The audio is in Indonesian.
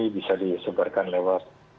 bisa disubarkan lewat